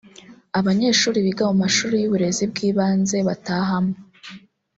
abanyeshuri biga mu mashuri y’uburezi bw’ibanze batahamo